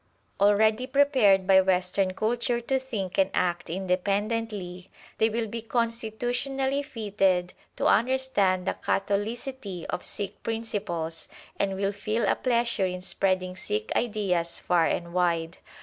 Already prepared by western culture to think and act independently, they will be constitutionally fitted to understand the catholicity of Sikh principles, and will feel a pleasure in spreading Sikh ideas far and wide.